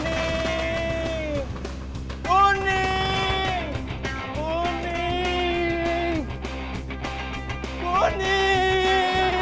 ayo kejar kejar kejar